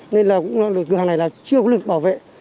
nên cửa hàng này chưa có lực bảo vệ